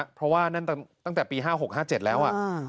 เพราะว่านั่นตั้งแต่ปี๕๖๕๗แล้ว